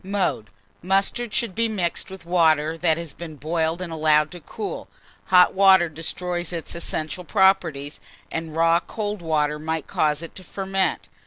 Mode. Mustard should be mixed with water that has been boiled and allowed to cool; hot water destroys its essential properties, and raw cold water might cause it to ferment.